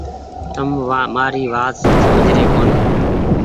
تم مآري وآت سمجه ري ڪونيٚ ۔